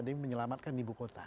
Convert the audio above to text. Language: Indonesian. demi menyelamatkan ibu kota